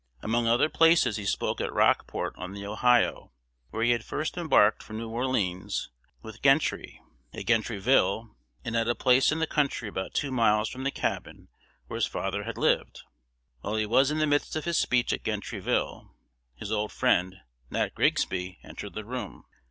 Among other places he spoke at Rockport on the Ohio, where he had first embarked for New Orleans with Gentry, at Gentryville, and at a place in the country about two miles from the cabin where his father had lived. While he was in the midst of his speech at Gentryville, his old friend, Nat Grigsby, entered the room.